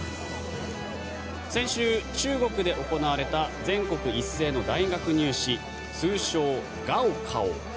先週、中国で行われた全国一斉の大学入試通称・高考。